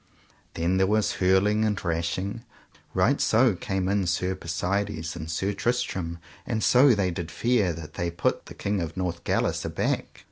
Then there was hurling and rashing. Right so came in Sir Persides and Sir Tristram and so they did fare that they put the King of Northgalis aback.